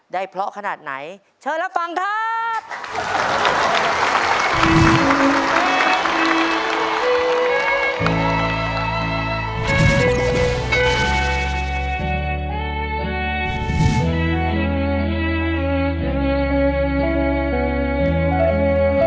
ได้เพราะขนาดไหนเชิญรับฟังครับ